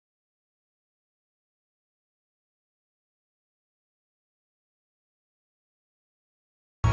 saya ada yang kalau gitu